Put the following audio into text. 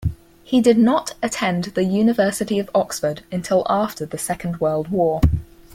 He did not attend the University of Oxford until after the Second World War.